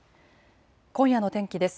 今夜の天気です。